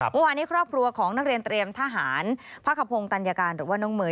เมื่อวานนี้ครอบครัวของนักเรียนเตรียมทหารพระขพงศ์ตัญญาการหรือว่าน้องเมย